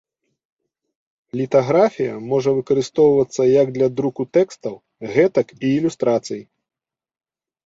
Літаграфія можа выкарыстоўвацца як для друку тэкстаў, гэтак і ілюстрацый.